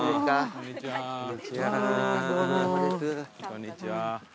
こんにちは。